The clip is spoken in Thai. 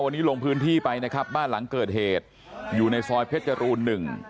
วันนี้ลงพื้นที่ไปนะครับบ้านหลังเกิดเหตุอยู่ในซอยเพชรจรูนหนึ่ง